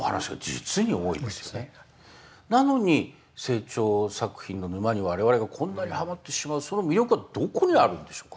なのに清張作品の沼に我々がこんなにハマってしまうその魅力はどこにあるんでしょうかね。